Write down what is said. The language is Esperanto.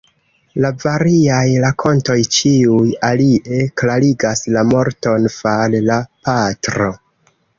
La variaj rakontoj ĉiuj alie klarigas la morton far la patro.